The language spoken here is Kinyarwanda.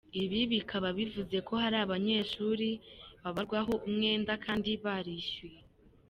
Ibi bikaba bivuze ko hari abanyeshuri babarwaho umwenda kandi barishyuye.